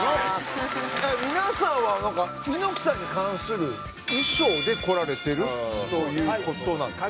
皆さんはなんか猪木さんに関する衣装で来られてるという事なんですか？